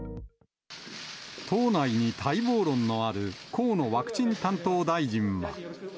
党内に待望論のある河野ワクチン担当大臣は。